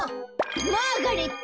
マーガレット。